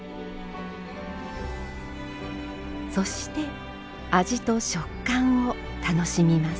そして味と食感を楽しみます。